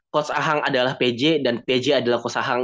coach ahang adalah pj dan pj adalah coach ahang